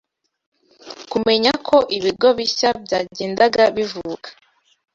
kumenya ko ibigo bishya byagendaga bivuka